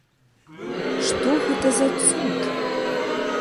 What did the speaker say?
Што гэта за цуд?